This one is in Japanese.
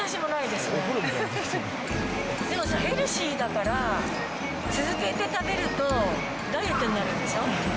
でもヘルシーだから、続けて食べるとダイエットになるでしょ。